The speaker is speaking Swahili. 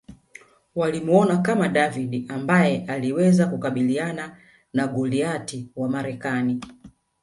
Walimuona kama David ambaye aliweza kukabiliana na Goliath wa Marekani